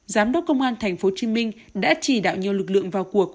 giám đốc công an tp hcm đã chỉ đạo nhiều lực lượng vào cuộc